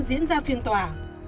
diễn ra phiên tòa